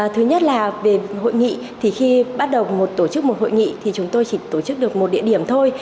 thứ nhất là về hội nghị thì khi bắt đầu một tổ chức một hội nghị thì chúng tôi chỉ tổ chức được một địa điểm thôi